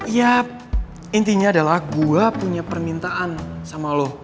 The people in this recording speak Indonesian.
ya intinya adalah gue punya permintaan sama lo